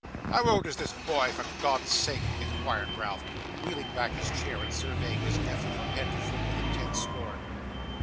'How old is this boy, for God's sake?' inquired Ralph, wheeling back his chair, and surveying his nephew from head to foot with intense scorn.